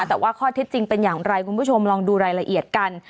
แต่ว่าข้อเท็จจริงเป็นอย่างไรคุณผู้ชมลองดูรายละเอียดกัน